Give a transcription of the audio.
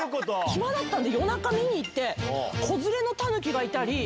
暇で夜中見に行って子連れのタヌキがいたり。